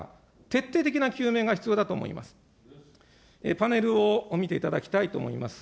徹底的な究明が必要だと思います。